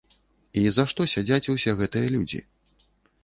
І за што сядзяць усе гэтыя людзі?